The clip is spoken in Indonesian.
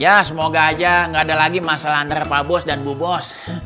ya semoga aja gak ada lagi masalah antara pak bos dan bu bos